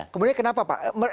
kemudian kenapa pak